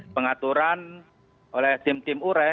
pengaturan oleh tim tim ure